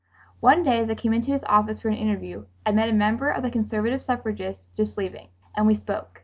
One day, as I came into his office for an interview, I met a member of the conservative suffragists just leaving, and we spoke.